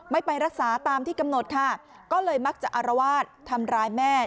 ไปรักษาตามที่กำหนดค่ะก็เลยมักจะอารวาสทำร้ายแม่